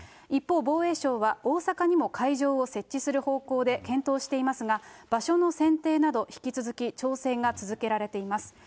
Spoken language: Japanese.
一方、防衛省は大阪にも会場を設置する方向で検討していますが、場所の選定など、引き続き調整が続けられています。